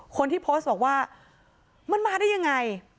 คนที่โพสต์บอกว่ามันมาได้ยังไง